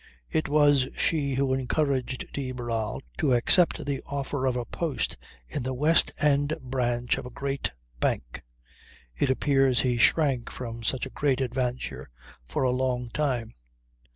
It was she who encouraged de Barral to accept the offer of a post in the west end branch of a great bank. It appears he shrank from such a great adventure for a long time.